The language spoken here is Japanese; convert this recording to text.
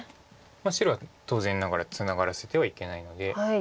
白は当然ながらツナがらせてはいけないので。